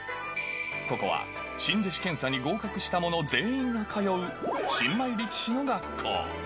ここは、新弟子検査に合格した者全員が通う新米力士の学校。